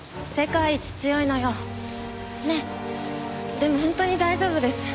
でも本当に大丈夫です。